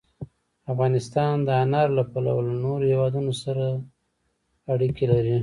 افغانستان د انارو له پلوه له نورو هېوادونو سره اړیکې لري.